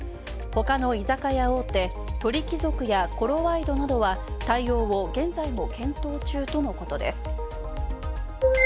ほかの居酒屋大手、鳥貴族やコロワイドなどは対応を現在も検討中とのことです。